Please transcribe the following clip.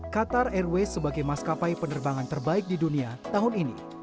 qatar airway sebagai maskapai penerbangan terbaik di dunia tahun ini